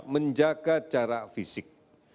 menjaga jarak fisik